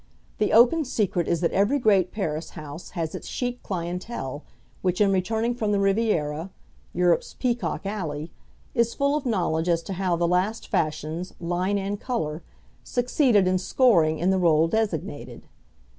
The open secret is that every great Paris house has its chic clientele, which in returning from the Riviera Europe's Peacock Alley is full of knowledge as to how the last fashions (line and colour), succeeded in scoring in the rôle designated.